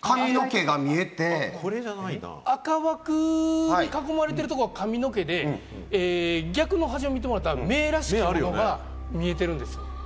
髪の毛が見えて、赤枠に囲まれてるところは髪の毛で、逆の端を見ると、目らしきものが見えてるんです。